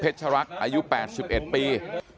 เพชรภรรคอยู่๘๑ปี